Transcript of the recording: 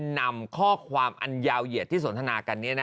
นำข้อความอันยาวเหยียดที่สนทนากัน